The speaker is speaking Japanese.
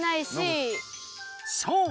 そう！